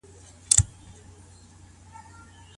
ولي هڅاند سړی د ذهین سړي په پرتله ښه ځلېږي؟